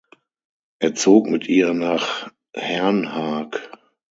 Er zog mit ihr nach Herrnhaag.